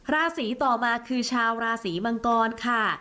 ราศีต่อมาคือชาวราศีมังกรค่ะ